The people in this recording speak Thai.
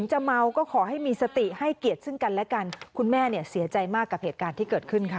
จะเมาก็ขอให้มีสติให้เกียรติซึ่งกันและกันคุณแม่เนี่ยเสียใจมากกับเหตุการณ์ที่เกิดขึ้นค่ะ